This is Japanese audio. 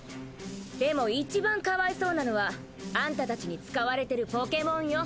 でもいちばんかわいそうなのはアンタたちに使われてるポケモンよ。